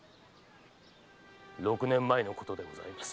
六年前のことでございます。